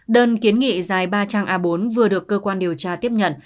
đơn kiến nghị dài ba trang a bốn vừa được cơ quan điều tra tiếp nhận